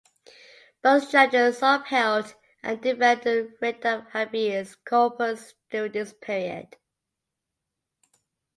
Both judges upheld and defended the Writ of Habeas Corpus during this period.